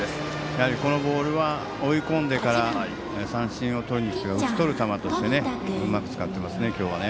やはりこのボールは追い込んでから三振をとる打ち取る球としてうまく使っていますね。